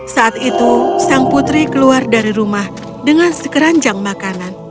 saat itu sang putri keluar dari rumah dengan sekeranjang makanan